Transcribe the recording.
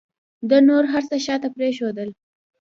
ده نور هر څه شاته پرېښودل.